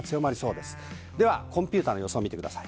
では、コンピューターの予想です。